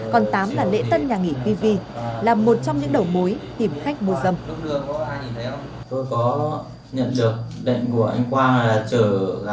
còn tám là lễ tân nhà nghỉ pv là một trong những đầu mối tìm khách mua dâm